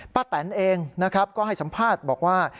แตนเองนะครับก็ให้สัมภาษณ์บอกว่า